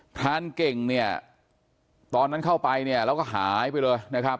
พรานเก่งเนี่ยตอนนั้นเข้าไปเนี่ยแล้วก็หายไปเลยนะครับ